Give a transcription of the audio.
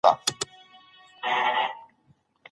خپل شرمګاه وساتئ.